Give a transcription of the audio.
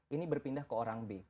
ini berpindah ke orang b